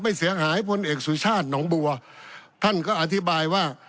เสียหายพลเอกสุชาติหนองบัวท่านก็อธิบายว่า